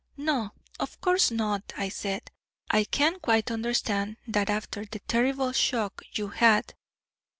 'No, of course not,' I said. 'I can quite understand that after the terrible shock you had.